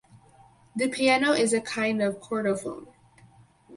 The piano is a kind of chordophone.